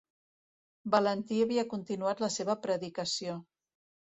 Valentí havia continuat la seva predicació.